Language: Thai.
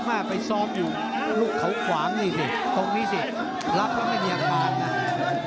แม่ไปซ้อมอยู่ลูกเขาขวางนี่สิตรงนี้สิรับแล้วไม่มีอาการนะ